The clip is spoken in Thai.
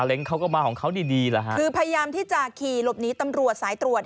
เขาก็มาของเขาดีดีแหละฮะคือพยายามที่จะขี่หลบหนีตำรวจสายตรวจ